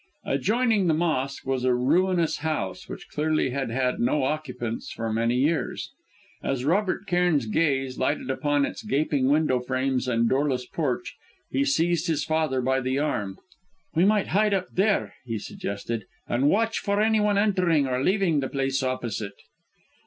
Adjoining the mosque, was a ruinous house, which clearly had had no occupants for many years. As Robert Cairn's gaze lighted upon its gaping window frames and doorless porch, he seized his father by the arm. "We might hide up there," he suggested, "and watch for anyone entering or leaving the place opposite."